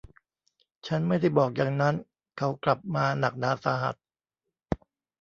ฉันไม่ได้บอกอย่างนั้นเขากลับมาหนักหนาสาหัส